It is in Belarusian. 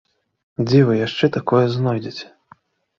Дзе вы яшчэ такое знойдзеце?